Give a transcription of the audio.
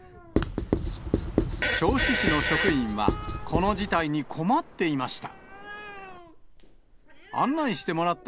銚子市の職員は、この事態に困っていました。